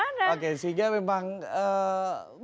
oke sehingga memang mungkin mencari substitusi